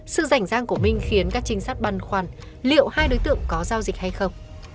sự rảnh giang của minh khiến các trinh sát băn khoăn liệu hai đối tượng có giao dịch hay không